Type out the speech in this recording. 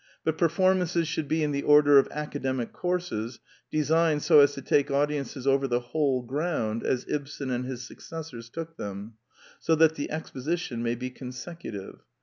But performances should be in the order of academic courses, designed so as to take audiences over the whole ground as Ibsen and his successors took them ; so that the exposi tion may be consecutive.